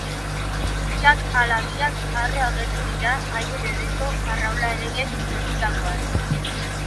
Biak ala biak harro agertu dira haien herriko arraunlariek lortutakoaz.